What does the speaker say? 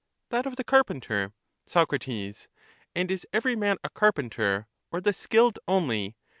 That of the carpenter. Soc. And is every man a carpenter, or the skilled only?